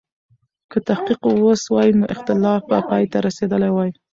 که تحقیق و سوای، نو اختلاف به پای ته رسېدلی وای.